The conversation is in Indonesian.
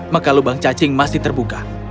maka lubang cacing masih terbuka